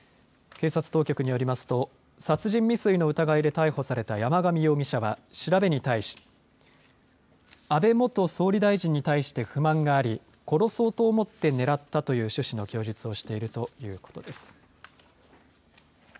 警察当局によりますと殺人未遂の疑いで逮捕された山上容疑者は調べに対し安倍元総理大臣に対して不満があり殺そうと思って狙ったという趣旨の供述をしているということです。